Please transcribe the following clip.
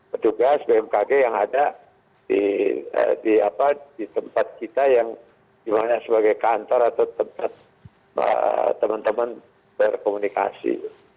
petugas bmkg yang ada di tempat kita yang dimana sebagai kantor atau tempat teman teman berkomunikasi